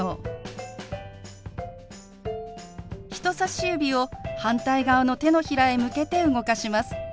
人さし指を反対側の手のひらへ向けて動かします。